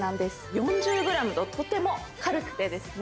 ４０ｇととても軽くてですね